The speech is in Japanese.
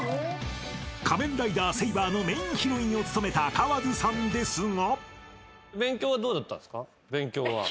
［『仮面ライダーセイバー』のメインヒロインを務めた川津さんですが］